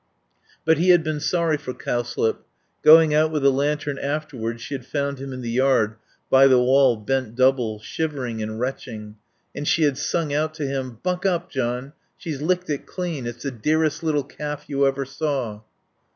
But he had been sorry for Cowslip. Going out with the lantern afterwards she had found him in the yard, by the wall, bent double, shivering and retching. And she had sung out to him "Buck up, John. She's licked it clean. It's the dearest little calf you ever saw."